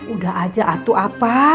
udah aja atuh apa